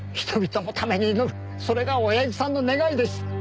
それがおやじさんの願いです。